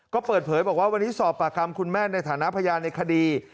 ก็เปิดเผยบอกว่าวันนี้สอบปากคำคุณแม่ในฐานะพยานในคดี